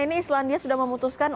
ini islandia sudah memutuskan